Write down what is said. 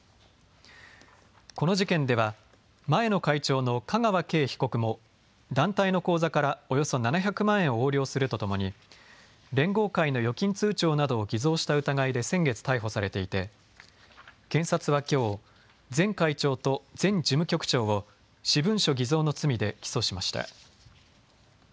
この事件では前の会長の香川敬被告も団体の口座からおよそ７００万円を横領するとともに連合会の預金通帳などを偽造した疑いで先月、逮捕されていて、検察はきょう、前会長と前事務局長を私文書偽造の罪で起訴しました。